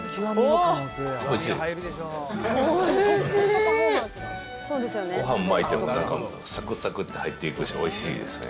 ごはん巻いても、さくさくって入っていくし、おいしいですね。